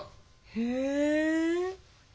へえ。